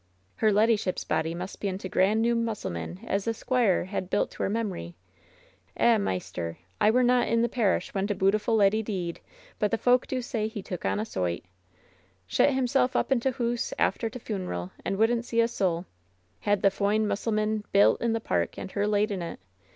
"Her leddyship's body must be in t' grand new mus^ selman as the squire had built to her memory. Eh, maister, I were not i' the parish when t' bootiful leddy deed ; but the folk do say he took on a soight I Shet him self up in t' hoose after t' funeral and wouldn't see a soul ! Had the f oine musselman built in the park and her laid in it!